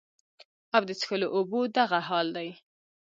او د څښلو اوبو دغه حال دے